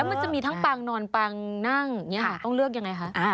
แล้วมันจะมีทั้งปางนอนปางนั่งต้องเลือกอย่างไรคะ